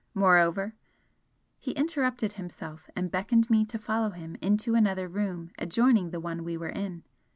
Moreover" he interrupted himself and beckoned me to follow him into another room adjoining the one we were in.